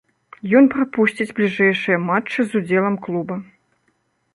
Ён прапусціць бліжэйшыя матчы з удзелам клуба.